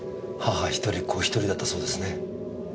母一人子一人だったそうですね。